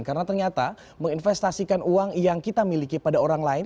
karena ternyata menginvestasikan uang yang kita miliki pada orang lain